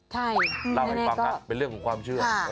ใช่เล่าให้ฟังนะเป็นเรื่องของความเชื่อ